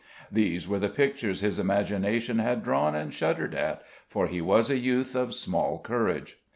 These were the pictures his imagination had drawn and shuddered at: for he was a youth of small courage.